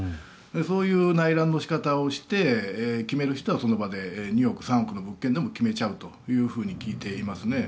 そういう内覧の仕方をして決める人はその場で２億、３億の物件でも決めちゃうと聞いていますね。